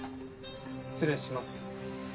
失礼します。